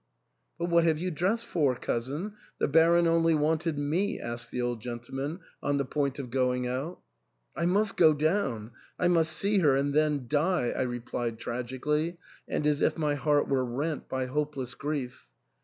" But what have you dressed for, cousin ? the Baron only wanted me," asked the old gentleman, on the point of going out. " I must go down — I must see her and then die," I replied tragically, and as if my heart were rent by hopeless grief.